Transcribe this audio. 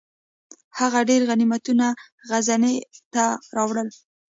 هغه ډیر غنیمتونه غزني ته راوړل.